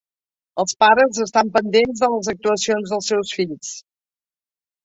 Els pares estan pendents de les actuacions dels seus fills.